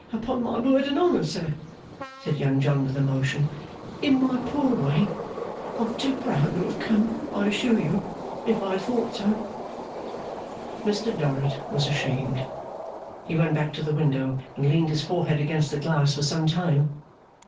Upon my word and honour, sir,' said Young John, with emotion, 'in my poor way, I am too proud to have come, I assure you, if I had thought so.' Mr Dorrit was ashamed. He went back to the window, and leaned his forehead against the glass for some time.